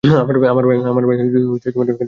আমার ভাই এখনও ভিতরে!